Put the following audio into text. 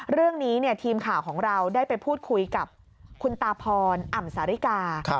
เรื่องนี้ทีมข่าวของเราได้ไปพูดคุยกับคุณตาพรอ่ำสาริกา